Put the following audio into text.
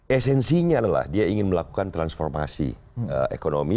esensinya adalah dia ingin melakukan transformasi ekonomi